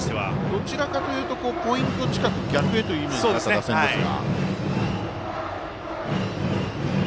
どちらかというとポイント近く逆へというイメージがあった打線ですが。